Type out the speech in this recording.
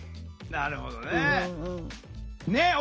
なるほどね。